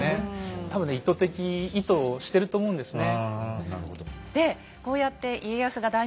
多分ね意図的意図をしてると思うんですね。